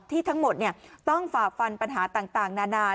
ที่ทั้งหมดเนี่ยต้องฝากฟันปัญหาต่างนานา